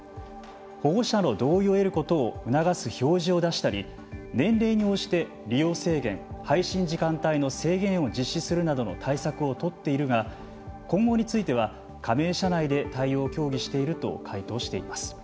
保護者の同意を得ることを促す表示を出したり年齢に応じて利用制限・配信時間帯の制限を実施するなどの対策を取っているが今後については加盟社内で対応を協議していると回答しています。